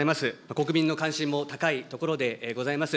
国民の関心も高いところでございます。